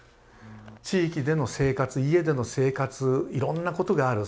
地域での生活家での生活いろんなことがある。